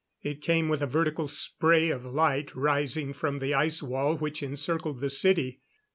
It came with a vertical spray of light rising from the ice wall which encircled the city.